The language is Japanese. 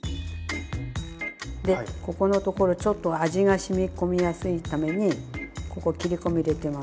でここのところちょっと味がしみ込みやすいためにここ切り込み入れてます。